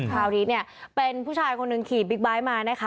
คราวนี้เนี่ยเป็นผู้ชายคนหนึ่งขี่บิ๊กไบท์มานะคะ